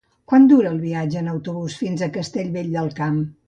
Quant dura el viatge en autobús fins a Castellvell del Camp?